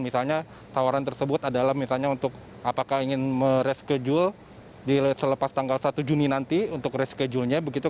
misalnya tawaran tersebut adalah misalnya untuk apakah ingin mereschedule selepas tanggal satu juni nanti untuk reschedule nya begitu